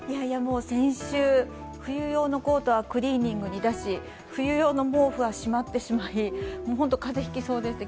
先週、冬用のコートはクリーニングに出し冬用の毛布はしまってしまい、本当に風邪を引きそうでした。